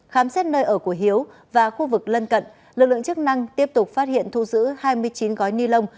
khám xét nơi ở của hiếu và khu vực lân cận lực lượng chức năng tiếp tục phát hiện thu giữ hai mươi chín gói ni lông